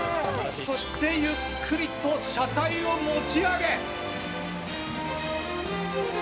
「そしてゆっくりと車体を持ち上げ」